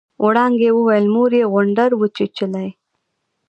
وړانګې وويل مور يې غونډل وچېچلې.